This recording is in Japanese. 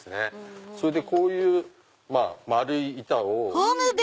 それでこういう円い板を。